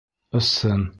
Ысын!